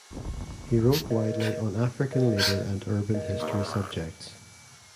He wrote widely on African labour and urban history subjects.